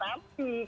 kalau masih ada